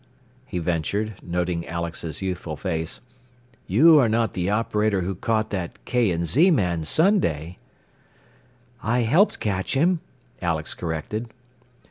he ventured, noting Alex's youthful face. "You are not the operator who caught that K. & Z. man Sunday?" "I helped catch him," Alex corrected.